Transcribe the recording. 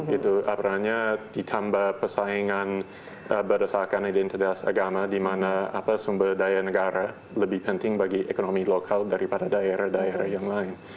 jadi apalagi itu ditambah persaingan berdasarkan identitas agama di mana sumber daya negara lebih penting bagi ekonomi lokal daripada daerah daerah yang lain